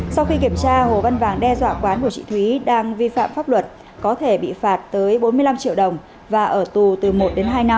sau khi kiểm tra hồ văn vàng đe dọa quán của chị thúy đang vi phạm pháp luật có thể bị phạt tới bốn mươi năm triệu đồng và ở tù từ một đến hai năm